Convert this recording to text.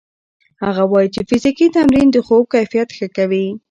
هغه وايي چې فزیکي تمرین د خوب کیفیت ښه کوي.